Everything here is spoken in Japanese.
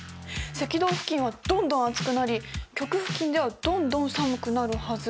赤道付近はどんどん暑くなり極付近ではどんどん寒くなるはず。